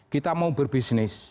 kita mau berbisnis